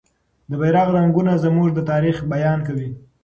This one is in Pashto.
د بیرغ رنګونه زموږ د تاریخ بیان کوي.